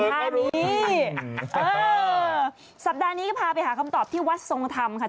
เออสัปดาห์นี้ก็พาไปหาคำตอบที่วัดทรงธรรมค่ะ